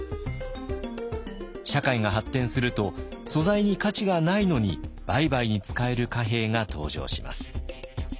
社会が発展すると素材に価値がないのに売買に使える貨幣が登場します。